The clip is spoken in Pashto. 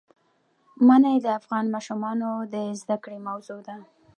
منی د افغان ماشومانو د زده کړې موضوع ده.